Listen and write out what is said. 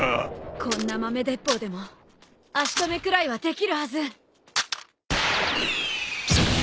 こんな豆鉄砲でも足止めくらいはできるはず。